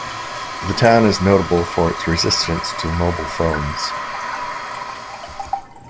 The town is notable for its resistance to mobile phones.